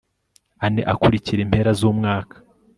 ane akurikira impera z umwaka